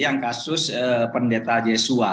yang kasus pendeta jesua